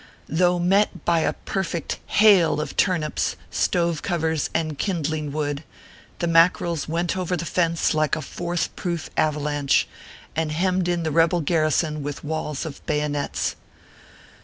Though met by a perfect hail of turnips, stove covers, and kindling wood, the Mackerels went over the fence like a fourth proof avalanche, and hemmed in the rebel garrison with walls of bayonets.